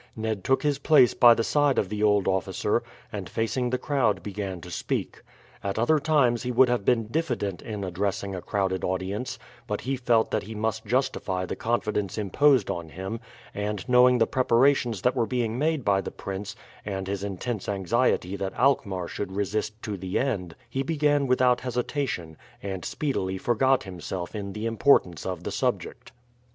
Ned took his place by the side of the old officer, and facing the crowd began to speak. At other times he would have been diffident in addressing a crowded audience, but he felt that he must justify the confidence imposed on him, and knowing the preparations that were being made by the prince, and his intense anxiety that Alkmaar should resist to the end, he began without hesitation, and speedily forgot himself in the importance of the subject.